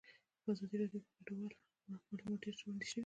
په ازادي راډیو کې د کډوال اړوند معلومات ډېر وړاندې شوي.